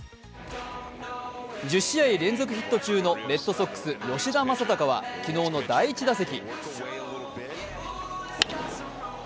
１０試合連続ヒット中のレッドソックス・吉田正尚は昨日の第１打席。